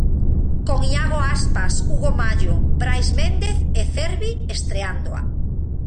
Con Iago Aspas, Hugo Mallo, Brais Méndez e Cervi estreándoa.